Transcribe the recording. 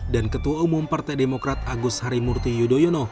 dan ketua umum partai demokrat agus harimurti yudhoyono